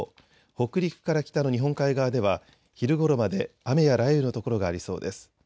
北陸から北の日本海側では昼ごろまで雨や雷雨の所がありそうです。